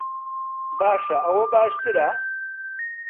باشە، ئەوە باشترە؟